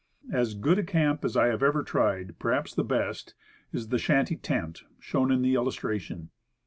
As good a camp as I have ever tried perhaps the best is the "shanty tent," shown in the illustration.